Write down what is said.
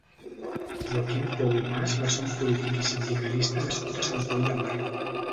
Joaquim Pou i Mas va ser un polític i sindicalista nascut a Sant Pol de Mar.